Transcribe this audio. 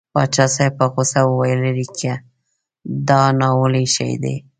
پاچا صاحب په غوسه وویل لېرې که دا ناولی شی دی.